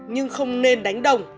nhưng không nên đánh đồng